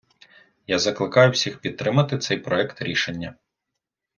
Я закликаю всіх підтримати цей проект рішення!